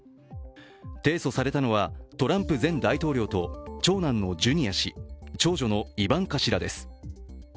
提訴されたのは、トランプ前大統領と長男のジュニア氏、長女のイヴァンカ氏らです。